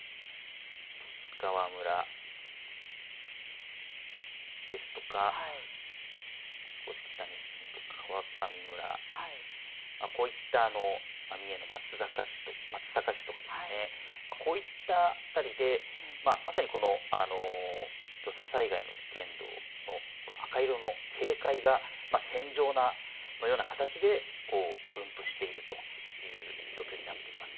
十津川村ですとか少し北に川上村、こういった三重の松阪市、こういった辺りで、まさに土砂災害の危険度、赤い色の警戒が線状のような形で分布しているという状況になっています。